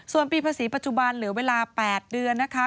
ส่วนปีภาษีปัจจุบันเหลือเวลา๘เดือนนะคะ